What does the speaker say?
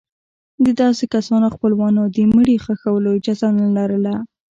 د داسې کسانو خپلوانو د مړي د ښخولو اجازه نه لرله.